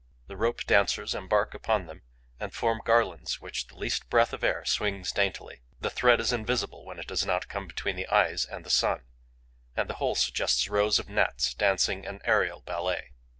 The rope dancers embark upon them and form garlands which the least breath of air swings daintily. The thread is invisible when it does not come between the eyes and the sun; and the whole suggests rows of Gnats dancing an aerial ballet.